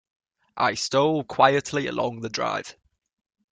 I stole quietly along the drive.